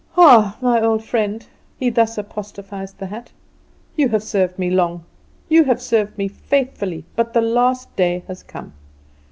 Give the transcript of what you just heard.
"Ah, my old friend," he thus apostrophized the hat, "you have served me long, you have served me faithfully, but the last day has come.